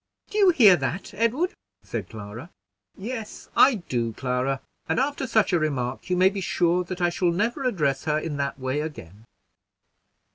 "Do you hear that, Edward?" said Clara. "Yes, I do, Clara, and after such a remark you may be sure that I shall never address her in that way again."